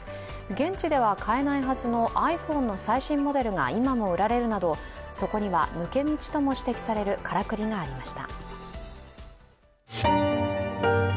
現地では買えないはずのｉＰｈｏｎｅの最新モデルが今も売られるなど、そこには抜け道とも指摘されるカラクリがありました。